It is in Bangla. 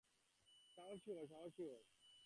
সাহসী হও, সাহসী হও! মানুষ একবারই মরে।